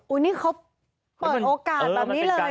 อุ๊ยนี้เขาเปิดโอกาสแบบนี้เลยหรอ